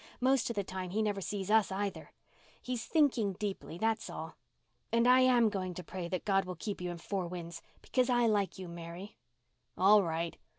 Most of the time he never sees us, either. He is thinking deeply, that is all. And I am going to pray that God will keep you in Four Winds—because I like you, Mary." "All right.